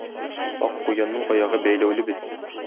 Ак куянның аягы бәйләүле бит.